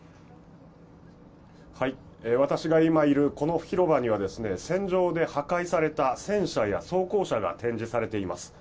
私が今いるこの広場には戦場で破壊された戦車や装甲車が展示されています。